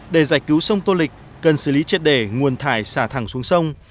để giải cứu sông tô lịch cần xử lý triệt để nguồn thải sạt thẳng xuống sông